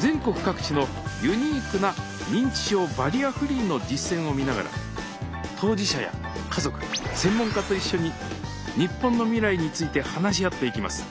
全国各地のユニークな認知症バリアフリーの実践を見ながら当事者や家族専門家と一緒に日本の未来について話し合っていきます。